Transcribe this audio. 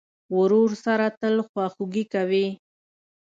ورور سره تل خواخوږي کوې.